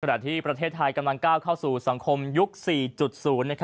ขณะที่ประเทศไทยกำลังก้าวเข้าสู่สังคมยุค๔๐